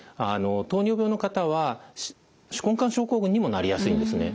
糖尿病の方は手根管症候群にもなりやすいんですね。